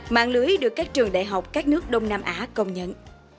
mạng lưới được các trường đại học các nước đông nam á công nhận